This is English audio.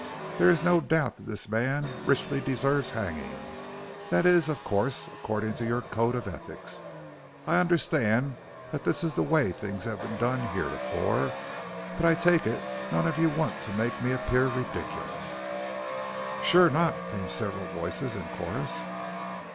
"There is no doubt that this man richly deserves hanging that is, of course, according to your code of ethics. I understand that is the way things have been done heretofore. But I take it none of you want to make me appear ridiculous?" "Sure not," came several voices in chorus.